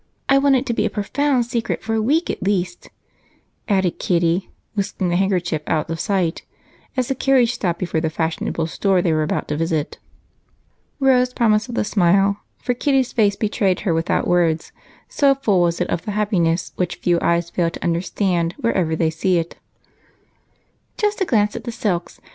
I want it to be a profound secret for a week at least," added Kitty, whisking her handkerchief out of sight as the carriage stopped before the fashionable store they were about to visit. Rose promised with a smile, for Kitty's face betrayed her without words, so full was it of the happiness which few eyes fail to understand whenever they see it. "Just a glance at the silks.